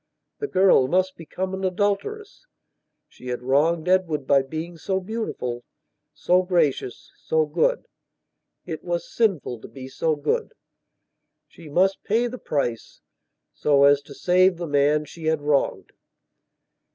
The girl must become an adulteress; she had wronged Edward by being so beautiful, so gracious, so good. It was sinful to be so good. She must pay the price so as to save the man she had wronged.